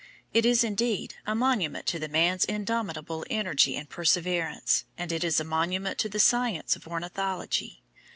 It is, indeed, a monument to the man's indomitable energy and perseverance, and it is a monument to the science of ornithology.